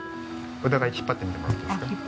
お互い引っ張ってもらっていいですか？